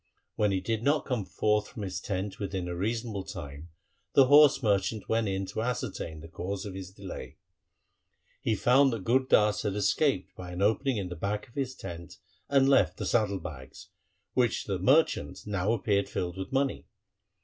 When he did not come forth from his tent within a reasonable time, the horse merchant went in to ascertain the cause of his delay. He found that Gur Das had escaped by an opening in the back of his tent, and left the saddle bags, which to the merchant now appeared filled with money.